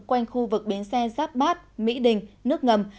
quanh khu vực bến xe giáp bát mỹ đình nước ngầm